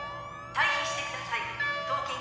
退避してください。